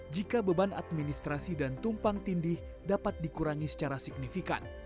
jika beban administrasi dan tumpang tindih dapat dikurangi secara signifikan